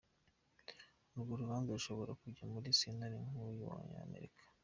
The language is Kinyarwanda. Urwo rubanza rushobora kuja muri sentare nkuru ya Amerika.